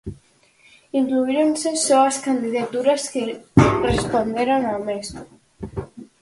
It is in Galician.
Incluíronse só as candidaturas que responderon ao mesmo.